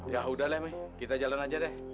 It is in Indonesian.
ya udah mi kita jalan aja deh